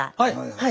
はい。